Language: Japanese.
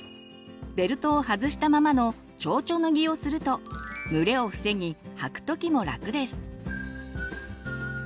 ベルトを外したままの「ちょうちょ脱ぎ」をすると蒸れを防ぎ履く時も楽です。